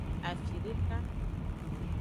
Afideka.